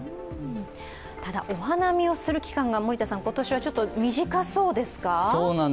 ただ、お花見をする期間が今年はちょっと短そうですか？